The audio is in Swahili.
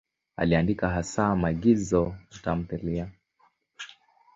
Aliandika hasa maigizo na tamthiliya.